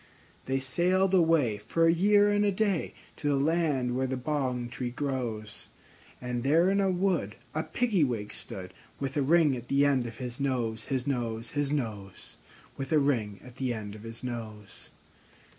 They sailed away, for a year and a day, To the land where the bong tree grows; And there in a wood a Piggy wig stood, With a ring at the end of his nose, His nose, His nose, With a ring at the end of his nose.